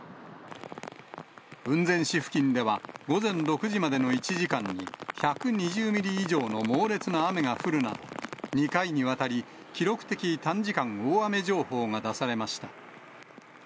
雲仙市付近では午前６時までの１時間に、１２０ミリ以上の猛烈な雨が降るなど、２回にわたり、記録的短時間大雨情報が出されました。